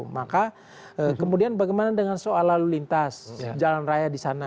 maka kemudian bagaimana dengan soal lalu lintas jalan raya di sana